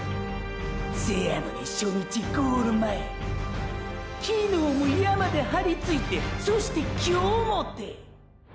せやのに初日ゴール前昨日も山ではりついてそして今日もて！！